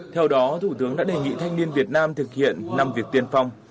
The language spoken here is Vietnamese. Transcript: theo đó thủ tướng đã đề nghị thanh niên việt nam thực hiện năm việc tiên phong